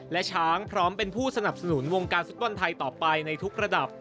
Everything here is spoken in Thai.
และช้างพร้อมเป็นผู้สนับสนุนวงการฟุตบอลไทยต่อไปในทุกระดับ